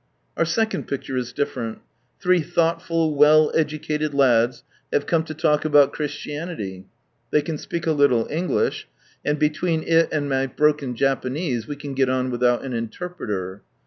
Our second picture is different. Three thoughtful, well educaied lads have come to talk aUoui "Christianity." They can speak a little English, and between it and my broken Japanese we can get on without an interpreter.